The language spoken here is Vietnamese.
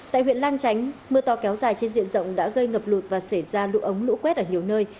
tại huyện lang chánh mưa to kéo dài trên diện rộng đã gây ngập lụt và xảy ra lũ ống lũ quét ở nhiều nơi